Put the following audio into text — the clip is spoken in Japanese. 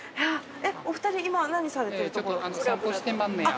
お二人今何されてるところですか？